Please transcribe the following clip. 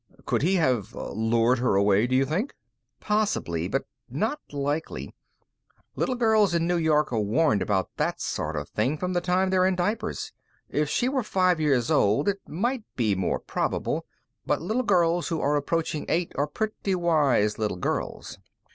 Could he have lured her away, do you think?" "Possible, but not likely. Little girls in New York are warned about that sort of thing from the time they're in diapers. If she were five years old, it might be more probable, but little girls who are approaching eight are pretty wise little girls."